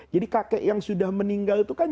jadi kakek yang sudah meninggal itu kan